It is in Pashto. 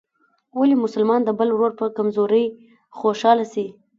ولي مسلمان د بل ورور په کمزورۍ خوشحاله سي؟